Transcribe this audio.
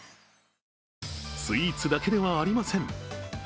スイーツだけではありません。